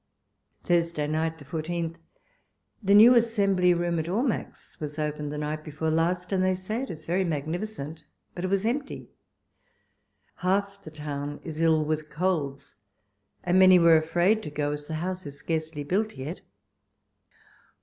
Thursda]/ nifiht. 14</(. The new Assembly Room at Almack's was opened the night before last, and they say it is very majEjnificent, but it was empty : half the town is ill witli colds, and many were afraid to go, as the house is scarcely built yet.